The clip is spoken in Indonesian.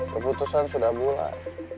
keputusan sudah bulat